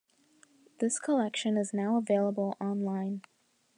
This collection is now available on-line.